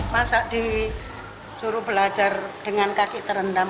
masa disuruh belajar dengan kaki terendam